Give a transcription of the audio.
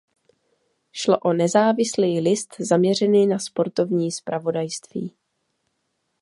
Šlo o nezávislý list zaměřený na sportovní zpravodajství.